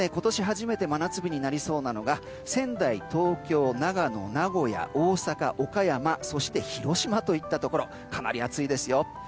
特に、今年初めて真夏日になりそうなのが仙台、東京、長野名古屋、大阪、岡山そして広島といったところかなり暑いです。